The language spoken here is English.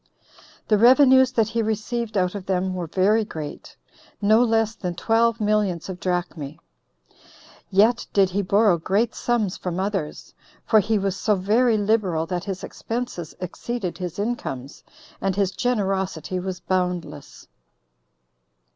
The revenues that he received out of them were very great, no less than twelve millions of drachmae. 22 Yet did he borrow great sums from others; for he was so very liberal that his expenses exceeded his incomes, and his generosity was boundless.